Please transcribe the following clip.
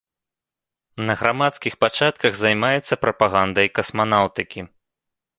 На грамадскіх пачатках займаецца прапагандай касманаўтыкі.